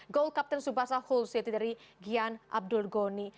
goal kapten tsubasa hull city dari gian abdul goni